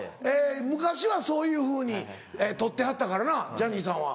昔はそういうふうにとってはったからなジャニーさんは。